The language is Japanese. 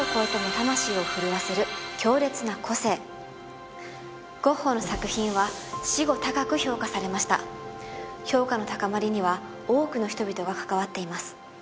最後はゴッホの作品は死後高く評価されました評価の高まりには多くの人々が関わっています